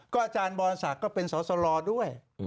ก็อาจารย์บรรษักษ์ก็เป็นสสรด้วย